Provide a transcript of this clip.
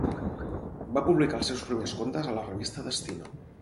Va publicar els seus primers contes en la revista Destino.